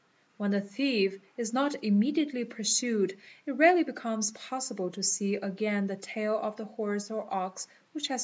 When the thief is not immediately pursued it rarely becomes possible to see again the tail of the horse or ox which has.